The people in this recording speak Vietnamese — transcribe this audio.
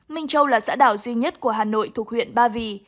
minh châu là xã đảo duy nhất của hà nội thuộc huyện ba vì